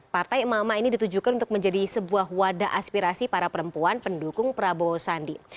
partai emak emak ini ditujukan untuk menjadi sebuah wadah aspirasi para perempuan pendukung prabowo sandi